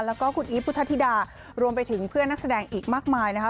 แล้วก็คุณอีฟพุทธธิดารวมไปถึงเพื่อนนักแสดงอีกมากมายนะคะ